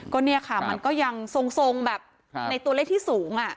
ก็เนี่ยค่ะมันก็ยังทรงแบบในตัวเลขที่สูง